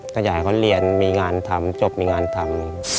ขณะใหญ่เขาเรียนมีงานทำจบมีงานทำ